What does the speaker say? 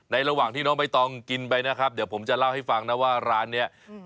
ระหว่างที่น้องใบตองกินไปนะครับเดี๋ยวผมจะเล่าให้ฟังนะว่าร้านนี้